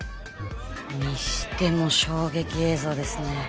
にしても衝撃映像ですね。